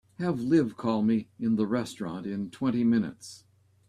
Have Liv call me in the restaurant in twenty minutes.